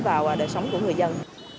vào đời sống của người dân